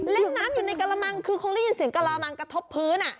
เล่นน้ำอยู่ในกระมังคือคงได้ยินเสียงกระลามังกระทบพื้น